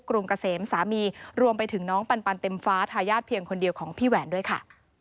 รุงเกษมสามีรวมไปถึงน้องปันเต็มฟ้าทายาทเพียงคนเดียวของพี่แหวนด้วยค่ะ